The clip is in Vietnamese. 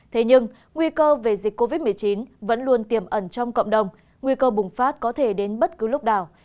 thế nhưng nguy cơ về dịch covid một mươi chín vẫn luôn tiềm ẩn trong cộng đồng nguy cơ bùng phát có thể đến bất cứ lúc nào